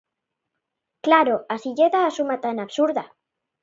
Claro, así lle dá a suma tan absurda.